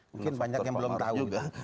mungkin banyak yang belum tahu gitu